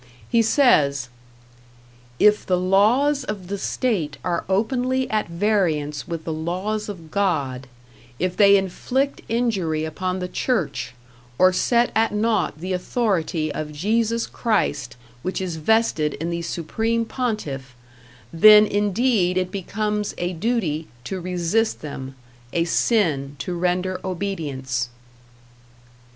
He says: If the laws of the state are openly at variance with the laws of God if they inflict injury upon the Church or set at naught the authority of Jesus Christ which is vested in the Supreme Pontiff, then indeed it becomes a duty to resist them, a sin to render obedience.